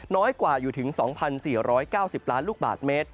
น้อยกว่าอยู่ถึง๒๔๙๐ล้านลูกบาทเมตร